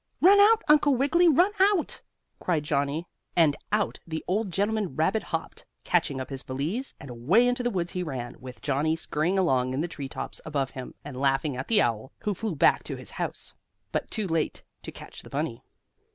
"Run out, Uncle Wiggily! Run out!" cried Johnnie, and out the old gentleman rabbit hopped, catching up his valise, and away into the woods he ran, with Johnnie scurrying along in the tree tops above him, and laughing at the owl, who flew back to his house, but too late to catch the bunny.